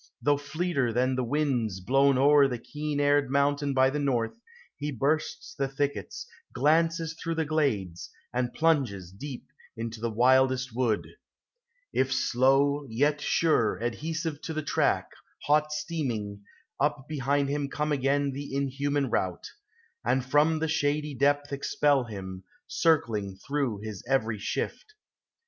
though fleeter than the winds Blown o'er the keen aired mountain by the north, He bursts the thickets, glances through the glades, And plunges deep into the wildest wood,— If slow, yet sure, adhesive to the track Hot steaming, up behind him come again The inhuman rout, and from the shady depth Expel him, circling through his every shift.